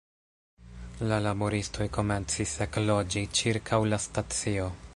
La laboristoj komencis ekloĝi ĉirkaŭ la stacio.